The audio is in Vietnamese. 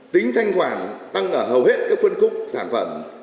tính thanh khoản tăng ở hầu hết các phân khúc sản phẩm